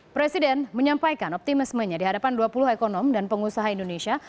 presiden menyampaikan optimismenya di hadapan dua puluh ekonom dan pengusaha indonesia